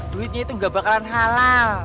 duitnya itu gak bakalan halal